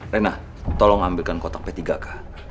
rena tolong ambilkan kotak p tiga k